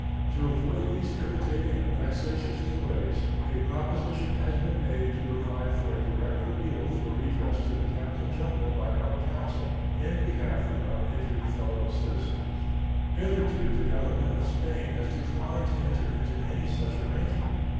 To avoid these irritating and vexatious delays, a proposition has been made to provide for a direct appeal for redress to the Captain General by our consul in behalf of our injured fellow citizens. Hitherto the Government of Spain has declined to enter into any such arrangement.